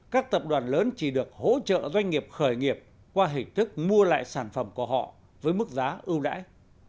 các tập đoàn lớn chỉ được hỗ trợ doanh nghiệp khởi nghiệp qua hình thức mua lại sản phẩm của họ với mức giá ưu đãi